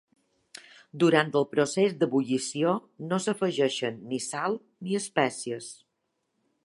Durant el procés d'ebullició no s'afegeixen ni sal ni espècies.